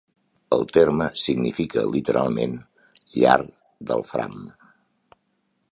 El terme significa literalment "llar del Fram".